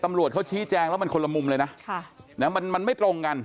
ตำรวจเขาชี้แจงแล้วมันคนละมุมเลยนะมันไม่ตรงกัน